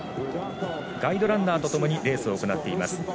ガイドランナーとともにレースを行っています。